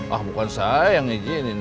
ah bukan saya yang gini